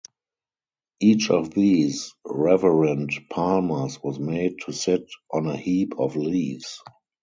Each of these reverend palmers was made to sit on a heap of leaves.